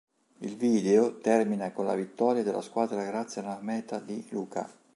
Il video termina con la vittoria della squadra grazie ad una meta di Luca.